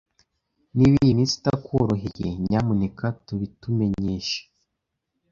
Niba iyi minsi itakworoheye, nyamuneka tubitumenyeshe.